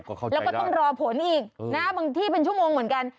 แล้วก็ต้องรอผลอีกนะบางที่เป็นชั่วโมงเหมือนกัน